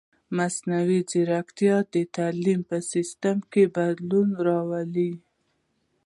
مصنوعي ځیرکتیا د تعلیم په سیستم کې بدلون راولي.